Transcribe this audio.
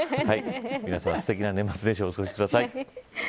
皆さん、すてきな年末年始をお過ごしください。